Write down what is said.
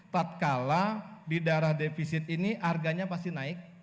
tatkala di daerah defisit ini harganya pasti naik